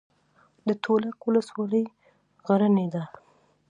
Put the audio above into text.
د تولک ولسوالۍ غرنۍ ده